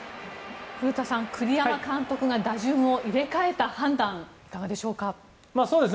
古田さん、栗山監督が打順を入れ替えた判断いかがでしょうか？